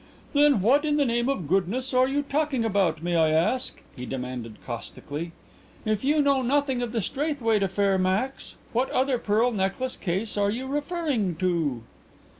"Then what in the name of goodness are you talking about, may I ask?" he demanded caustically. "If you know nothing of the Straithwaite affair, Max, what other pearl necklace case are you referring to?"